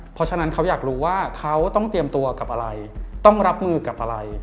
เพราะฉะนั้นเขาอยากรู้ว่าเขาต้องเตรียมตัวกับอะไรต้องรับมือกับอะไร